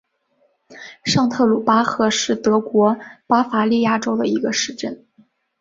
上特鲁巴赫是德国巴伐利亚州的一个市镇。